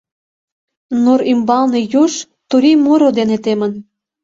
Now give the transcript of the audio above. Нур ӱмбалне юж турий муро дене темын.